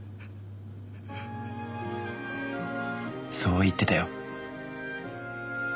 そう言ってたよ。